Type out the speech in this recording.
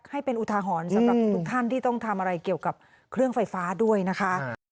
ให้เป็นอุทาหรณ์สำหรับทุกท่านที่ต้องทำอะไรเกี่ยวกับเครื่องไฟฟ้าด้วยนะคะ